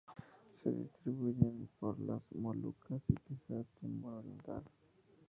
Se distribuyen por las Molucas y quizá Timor oriental.